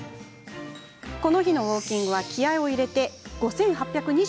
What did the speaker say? この日のウォーキングは気合いを入れて５８２１歩。